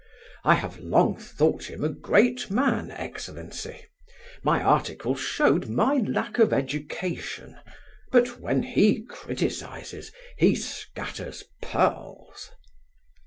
I have long thought him a great man, excellency! My article showed my lack of education, but when he criticizes he scatters pearls!"